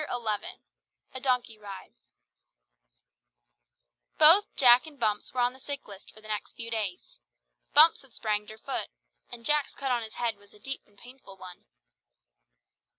XI A DONKEY RIDE Both Jack and Bumps were on the sick list for the next few days. Bumps had sprained her foot, and Jack's cut on his head was a deep and painful one.